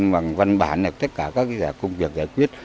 văn bản và tất cả các công việc giải quyết